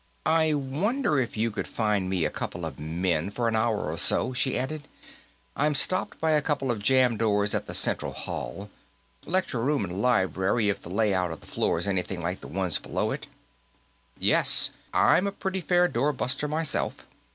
"I wonder if you could find me a couple of men, for an hour or so," she added. "I'm stopped by a couple of jammed doors at the central hall. Lecture room and library, if the layout of that floor's anything like the ones below it." "Yes. I'm a pretty fair door buster, myself."